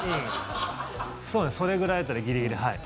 それぐらいだったらギリギリはい。